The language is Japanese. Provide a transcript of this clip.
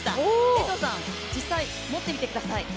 江藤さん、実際、持ってみてください。